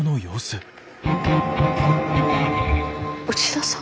内田さん。